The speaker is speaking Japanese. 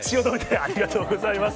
ありがとうございます。